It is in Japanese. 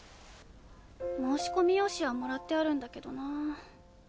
申込用紙はもらってあるんだけどな。